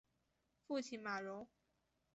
父亲马荣。